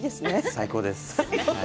最高です。